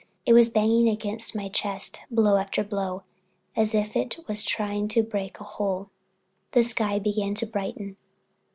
It was banging against my chest, blow after blow, as if it was trying to break a hole. The sky began to brighten.